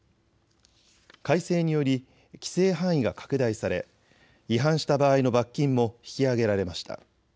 改正により規制範囲が拡大され違反した場合の罰金も引き上げられました。